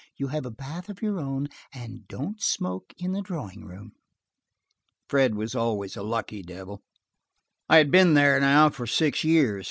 "You have a bath of your own, and don't smoke in the drawing room." Fred was always a lucky devil. I had been there now for six years.